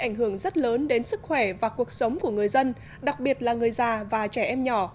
ảnh hưởng rất lớn đến sức khỏe và cuộc sống của người dân đặc biệt là người già và trẻ em nhỏ